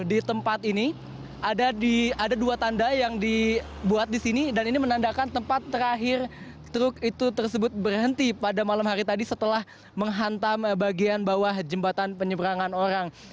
di tempat ini ada dua tanda yang dibuat di sini dan ini menandakan tempat terakhir truk itu tersebut berhenti pada malam hari tadi setelah menghantam bagian bawah jembatan penyeberangan orang